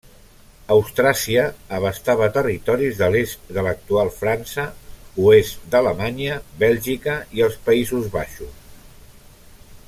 Austràsia abastava territoris de l'est de l'actual França, oest d'Alemanya, Bèlgica i els Països Baixos.